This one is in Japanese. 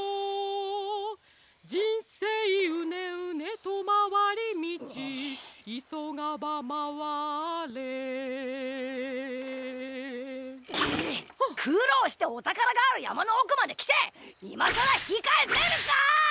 「じんせいうねうねとまわりみち」「いそがばまわれ」くろうしておたからがあるやまのおくまできていまさらひきかえせるか！